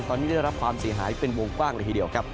ตอนนี้ได้รับความเสียหายเป็นวงกว้างเลยทีเดียวครับ